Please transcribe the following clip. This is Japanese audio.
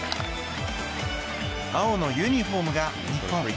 青のユニホームが日本。